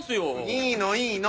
いいのいいの！